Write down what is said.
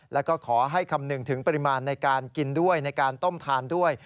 แล้วก็ขอให้คำนึงถึงปริมาณในการกินด้วยในการต้มทานด้วย